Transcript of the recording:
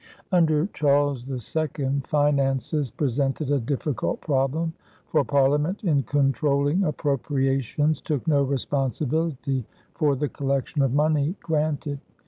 Under Charles II, finances presented a difficult problem, for Parliament in controlling appropriations took no responsibility for the collection of money granted.